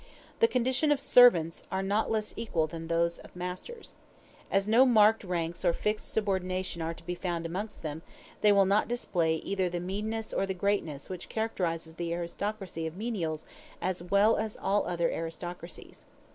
The conditions of servants are not less equal than those of masters. As no marked ranks or fixed subordination are to be found amongst them, they will not display either the meanness or the greatness which characterizes the aristocracy of menials as well as all other aristocracies.